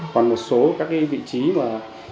còn một số các vị trí mà